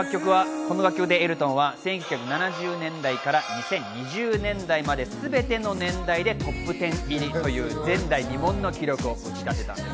この楽曲でエルトンは１９７０年代から２０２０年代まで、すべての年代でトップテン入りという前代未聞の記録を打ち立てたのです。